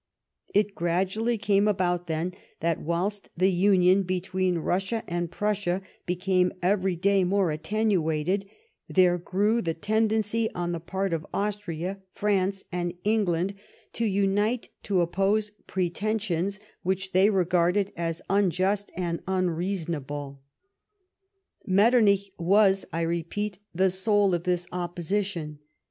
It gradually came about, then, that whilst the union between Russia and Prussia became every day more accentuated, there grew the tendency on the part of Austria, France, and England, to unite to oppose preten sions which they regarded as unjust and unreasonable. THE DIVISION OF THE SPOIL. 133 Metternich was, I repeat, the soul of this opposition.